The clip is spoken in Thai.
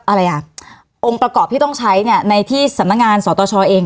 อะไรอ่ะองค์ประกอบที่ต้องใช้เนี่ยในที่สำนักงานสตชเอง